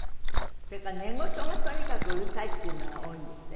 それから寝言がとにかくうるさいっていうのが多いんですって？